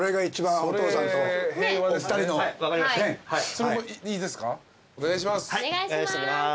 お願いします。